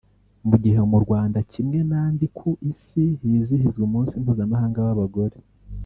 Mu gihe mu Rwanda kimwe n’andi ku isi hizihizwa umunsi mpuzamahanga w’abagore